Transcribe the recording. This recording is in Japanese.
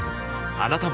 あなたも